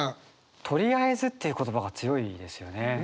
「とりあえず」っていう言葉が強いですよね。